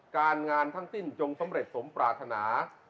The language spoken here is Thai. การงานทั้งสิ้นจงสำเร็จสมปรารถนา